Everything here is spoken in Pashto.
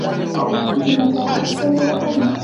ځمکه حاصل ورکوي.